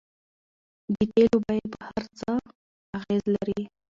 د تیلو بیې په هر څه اغیز لري.